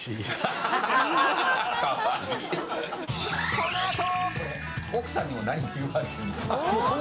このあと。